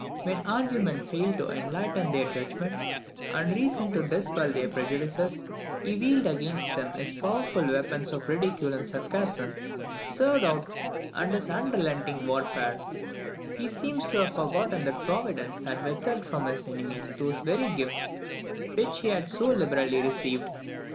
When argument failed to enlighten their judgment, and reason to dispel their prejudices, he wielded against them his powerful weapons of ridicule and sarcasm; and in this unrelenting warfare, he seems to have forgotten that Providence had withheld from his enemies those very gifts which he had so liberally received.